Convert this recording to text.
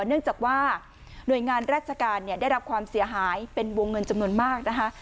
เนื่องจากว่าหน่วยงานราชการได้รับความเสียหายเป็นวงเงินจำนวนมากนะคะ